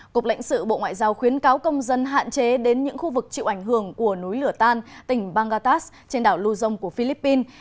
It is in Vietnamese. cục lãnh sự bộ ngoại giao khuyến cáo công dân hạn chế đến những khu vực chịu ảnh hưởng của núi lửa tan tỉnh bangatas trên đảo luzon của philippines